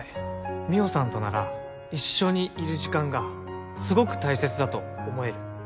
美帆さんとなら一緒にいる時間がすごく大切だと思える